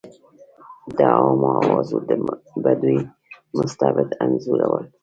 د عوامو اوازو به دوی مستبد انځورول.